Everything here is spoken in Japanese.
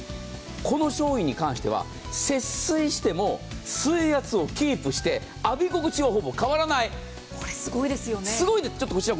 この商品に関しては節水しても水圧をキープして、浴び心地はほぼ変わらない。